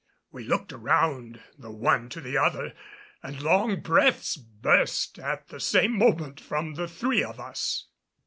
We looked around the one to the other, and long breaths burst at the same moment from the three of us.